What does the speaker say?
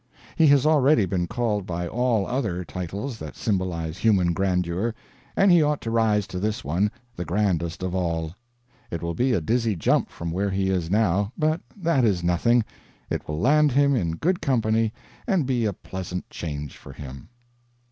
He has already been called by all other titles that symbolize human grandeur, and he ought to rise to this one, the grandest of all. It will be a dizzy jump from where he is now, but that is nothing, it will land him in good company and be a pleasant change for him.